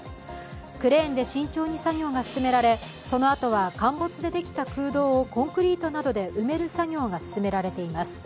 クレーンで慎重に作業が進められそのあとは陥没でできた空洞をコンクリートなどで埋める作業が進められています。